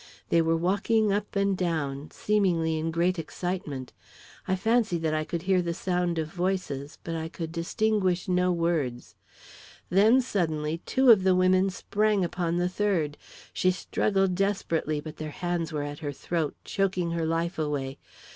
They were walking up and down, seemingly in great excitement. I fancied that I could hear the sound of voices, but I could distinguish no words. Then suddenly, two of the women sprang upon the third. She struggled desperately, but their hands were at her throat, choking her life away.